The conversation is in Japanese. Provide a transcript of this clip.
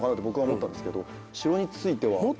僕は思ったんですけど城については。